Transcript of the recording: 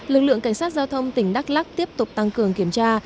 lực lượng cảnh sát giao thông tỉnh đắk lắc tiếp tục tăng cường kiểm tra